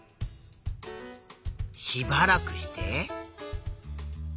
しばらくして。